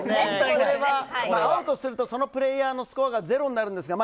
アウトするとそのプレーヤーのスコアがゼロになりますが。